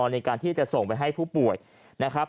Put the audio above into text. ในการที่จะส่งไปให้ผู้ป่วยนะครับ